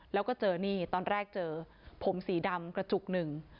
แล้วก็เจอนี่ตอนแรกเจอผมสีดำกระจุกหนึ่ง